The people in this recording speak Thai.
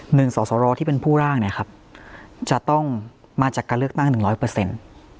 สอสรที่เป็นผู้ร่างเนี่ยครับจะต้องมาจากการเลือกตั้งหนึ่งร้อยเปอร์เซ็นต์